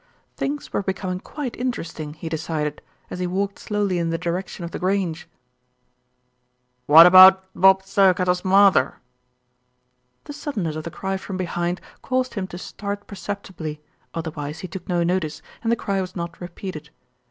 Things were becoming quite interesting, he decided, as he walked slowly in the direction of The Grange. "What about Bob Thirkettle's mawther?" The suddenness of the cry from behind caused him to start perceptibly, otherwise he took no notice, and the cry was not repeated.